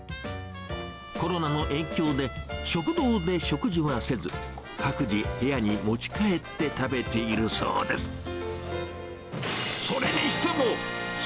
コロナの影響で食堂で食事はせず、各自、部屋に持ち帰って食べているそうです。